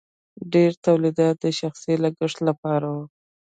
ډیر تولیدات د شخصي لګښت لپاره وو.